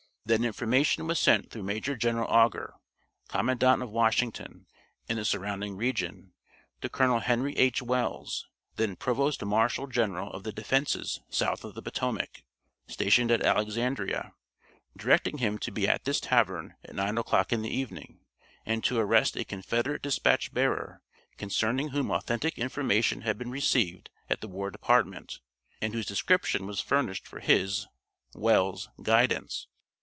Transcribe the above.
Then information was sent through Major General Augur, commandant of Washington and the surrounding region, to Colonel Henry H. Wells, then provost marshal general of the defenses south of the Potomac, stationed at Alexandria, directing him to be at this tavern at nine o'clock in the evening, and to arrest a Confederate dispatch bearer, concerning whom authentic information had been received at the War Department, and whose description was furnished for his (Wells's) guidance.